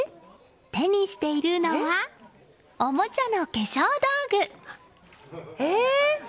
手にしているのはおもちゃの化粧道具！